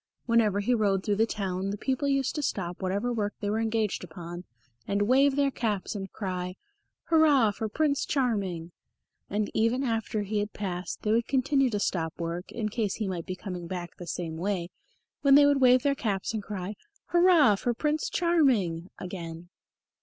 Whenever he rode through the town the people used to stop whatever work they were engaged upon and wave their caps and cry, "Hurrah for Prince Charming!" and even after he had passed they would continue to stop work, in case he might be coming back the same way, when they would wave their caps and cry, "Hurrah for Prince Charming!" again.